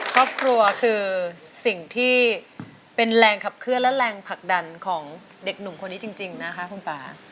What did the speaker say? ครอบครัวคือสิ่งที่เป็นแรงขับเคลื่อนและแรงผลักดันของเด็กหนุ่มคนนี้จริงนะคะคุณป่า